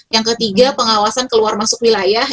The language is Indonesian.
yang ketiga pengawasan keluar masuk wilayah